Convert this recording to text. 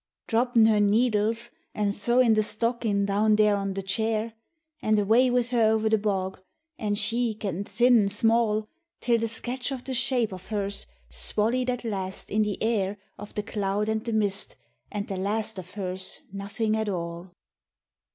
Droppin' her needles, an' throwin' the stockin' down there on the chair, And away with her over the bog, an' she gettin' thin an' small Till the sketch of the shape of her's swallyed at last in the air Of the cloud and the mist, and the last of her's nothin' at all.